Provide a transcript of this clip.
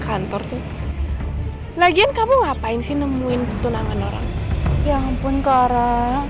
kantor tuh lagian kamu ngapain sih nemuin pertunangan orang ya ampun clara